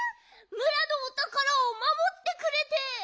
むらのおたからをまもってくれて。